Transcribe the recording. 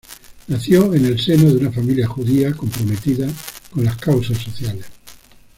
Nació en el seno de una familia judía comprometida con las causas sociales.